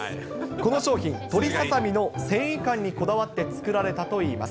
この商品、鶏ささみの繊維感にこだわって作られたといいます。